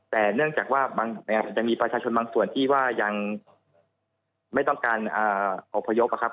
แต่เนื่องจากว่าจะมีประชาชนบางส่วนที่ว่ายังไม่ต้องการอบพยพนะครับ